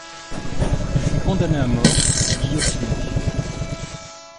Il fut condamné à mort et guillotiné.